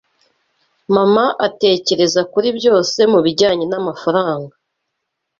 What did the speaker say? Mama atekereza kuri byose mubijyanye namafaranga.